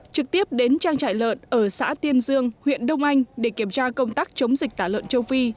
trực tiếp đến trang trại lợn ở xã tiên dương huyện đông anh để kiểm tra công tác chống dịch tả lợn châu phi